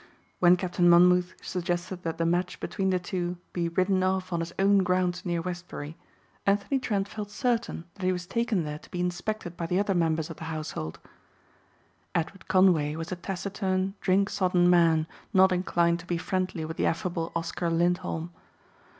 When Captain Monmouth suggested that the match between the two be ridden off on his own grounds near Westbury, Anthony Trent felt certain that he was taken there to be inspected by the other members of the household. Edward Conway was a taciturn, drink sodden man not inclined to be friendly with the affable Oscar Lindholm.